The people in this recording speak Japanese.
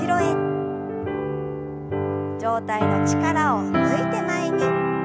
上体の力を抜いて前に。